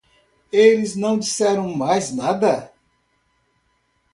Eles não disseram mais nada.